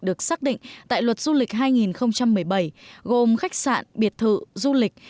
được xác định tại luật du lịch hai nghìn một mươi bảy gồm khách sạn biệt thự du lịch